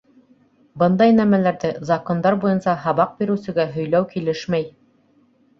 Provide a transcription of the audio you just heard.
Бындай нәмәләрҙе Закондар буйынса һабаҡ биреүсегә һөйләү килешмәй.